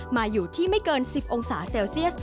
มาอยู่ที่ไม่เกิน๑๐องศาเซลเซียส